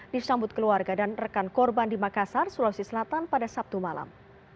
disambut keluarga dan rekan korban di makassar sulawesi selatan pada sabtu malam